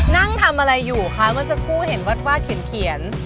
นั่งทำอะไรอยู่คะเมื่อสักครู่เห็นวาดเขียน